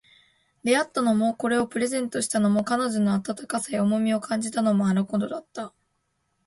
出会ったのも、これをプレゼントしたのも、彼女の温かさや重みを感じたのも、あの頃だった